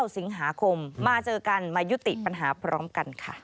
สิงหาคมมาเจอกันมายุติปัญหาพร้อมกันค่ะ